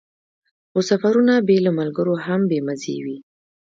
خو سفرونه بې له ملګرو هم بې مزې وي.